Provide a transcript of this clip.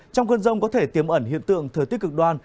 trong cơn rông có thể tiếm ẩn hiện tượng thừa tiết cực đoan